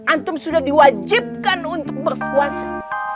antum sudah diwajibkan untuk berpuasa